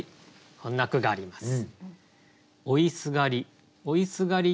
こんな句があります。